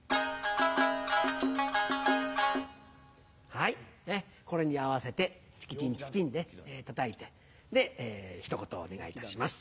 はいこれに合わせてチキチンチキチンたたいてで一言お願いいたします。